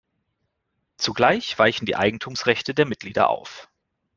Zugleich weichen die Eigentumsrechte der Mitglieder auf.